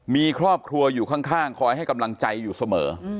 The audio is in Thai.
มีครอบครัวอยู่ข้างคอยให้กำลังใจอยู่เสมอ